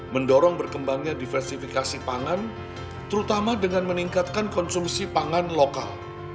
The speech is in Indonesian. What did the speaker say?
mendorong berkembangnya diversifikasi pangan terutama dengan meningkatkan konsumsi pangan lokal